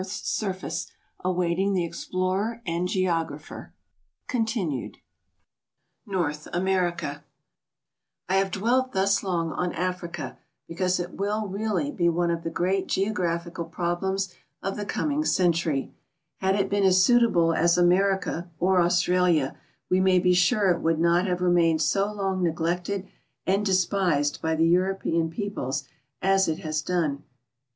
THE UNMAPPED AREAS ON THE KARTirs M RFAcE 2h\f NOKTII AMKKICA I have dwelt thus long on Africa, because it will really be one of the great geographical problems of the coining century. Had it been as suitable as America or Australia, we may be sure it would not have remained so long neglected and despise.l by tbe European peoples as it has done.